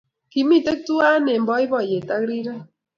Kimitei tuwai eng boiboiyet ak rirek